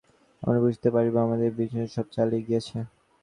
আমরা বুঝিতে পারিব, আমাদের বিঘ্নবিপত্তি সব চলিয়া গিয়াছে।